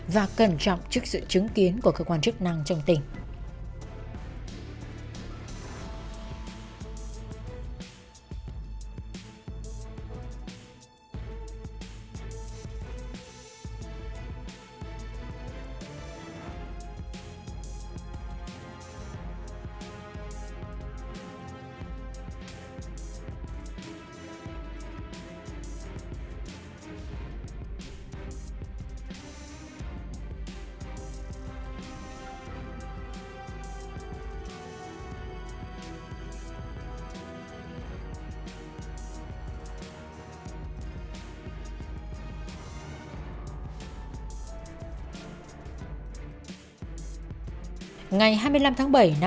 và cẩn trọng trước sự chứng kiến của cơ quan chức năng trong tỉnh